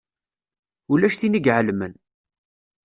Ulac tin i iɛelmen.